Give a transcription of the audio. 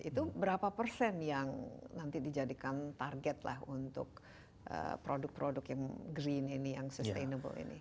itu berapa persen yang nanti dijadikan target lah untuk produk produk yang green ini yang sustainable ini